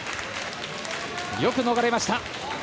よく逃れました。